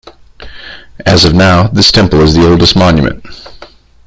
As of now, this temple is the oldest monument.